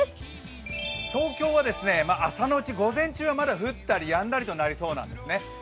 東京は朝のうち、午前中は降ったりやんだりとなりそうです。